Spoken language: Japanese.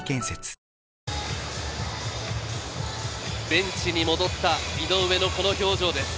ベンチに戻った井上のこの表情です。